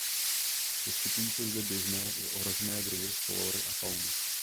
Vyskytují se zde běžné i ohrožené druhy flóry a fauny.